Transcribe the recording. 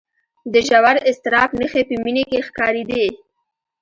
د ژور اضطراب نښې په مينې کې ښکارېدې